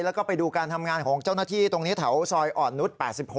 แล้วก็ไปดูการทำงานของเจ้าหน้าที่ตรงนี้แถวซอยอ่อนนุษย์๘๖